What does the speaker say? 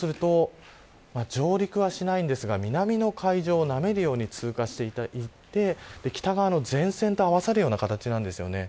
上陸はしないですが、南の海上をなめるように通過していって北側の前線と合わさるような形なんですよね。